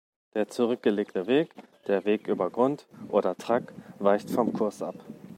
Der zurückgelegte Weg, der "Weg über Grund" oder "Track", weicht vom Kurs ab.